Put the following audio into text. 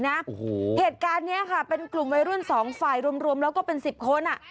เหตุการณ์นี้ค่ะเป็นกลุ่มวัยรุ่นสองฝ่ายรวมแล้วก็เป็น๑๐คน